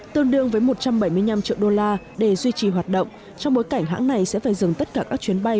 tương đương với một trăm bảy mươi năm triệu đô la để duy trì hoạt động trong bối cảnh hãng này sẽ phải dừng tất cả các chuyến bay